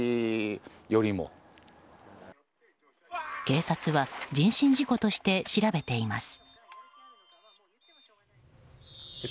警察は人身事故として調べています。